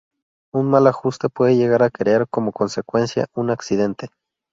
Un mal ajuste puede llegar a crear, como consecuencia, un accidente.